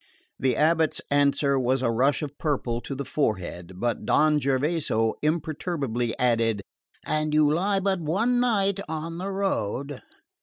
The abate's answer was a rush of purple to the forehead; but Don Gervaso imperturbably added, "And you lie but one night on the road."